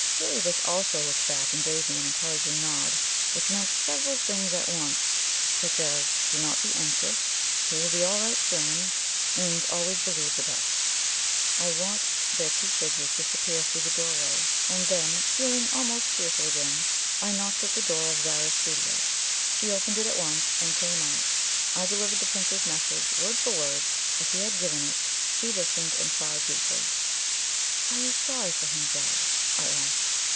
Heliobas also looked back and gave me an encouraging nod, which meant several things at once, such as "Do not be anxious," "He will be all right soon," and "Always believe the best." I watched their two figures disappear through the doorway, and then, feeling almost cheerful again, I knocked at the door of Zara's studio. She opened it at once, and came out. I delivered the Prince's message, word for word, as he had given it. She listened, and sighed deeply. "Are you sorry for him, Zara?" I asked.